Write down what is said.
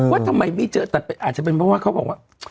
ว่าทำไมไม่เจอแต่อาจจะเป็นเพราะว่าเขาบอกว่า